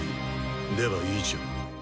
では以上。